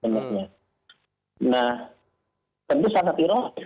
nah tentu sangat irah